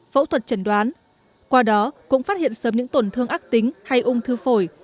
phẫu thuật trần đoán qua đó cũng phát hiện sớm những tổn thương ác tính hay ung thư phổi